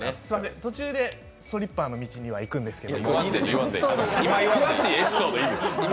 途中でストリッパーの道へは行くんですけど。